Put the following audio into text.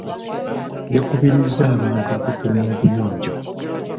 Yakubiriza abantu okukuuma obuyonjo.